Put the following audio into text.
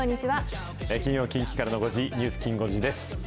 金曜、近畿からの５時、ニュースきん５時です。